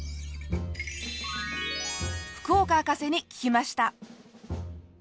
福岡博士に聞きました。